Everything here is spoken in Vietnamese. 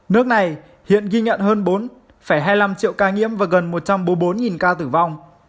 nước này hiện ghi nhận hơn bốn hai mươi năm triệu ca nhiễm và gần một trăm bốn mươi bốn ca tử vong